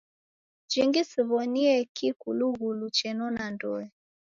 Jingi siw'onie kikulughulu chenona ndoe.